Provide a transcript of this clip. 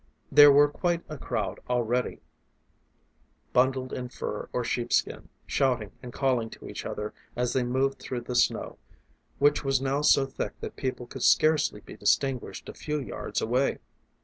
There were quite a crowd already, bundled in fur or sheepskin, shouting and calling to each other as they moved through the snow, which was now so thick that people could scarcely be distinguished a few yards away.